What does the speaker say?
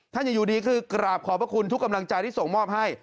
ท่านอยู่ดีคือกราบขอบพระคุณทุกกำลังใจที่ส่งมอบให้